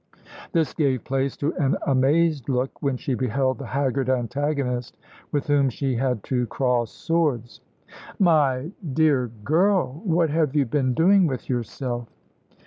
This gave place to an amazed look when she beheld the haggard antagonist with whom she had to cross swords. "My dear girl! What have you been doing with yourself?"